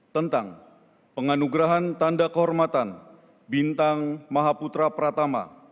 tentang penganugerahan tanda kehormatan bintang mahaputra pratama